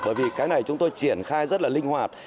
bởi vì cái này chúng tôi triển khai rất là linh hoạt